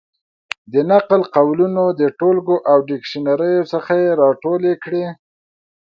د نقل قولونو د ټولګو او ډکشنریو څخه یې را ټولې کړې.